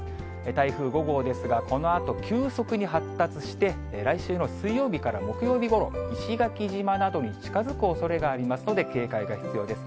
台風５号ですが、このあと急速に発達して、来週の水曜日から木曜日ごろ、石垣島などに近づくおそれがありますので、警戒が必要です。